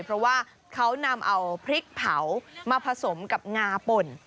เพราะว่าเขานำเอาพริกเผามาผสมกับงาป่น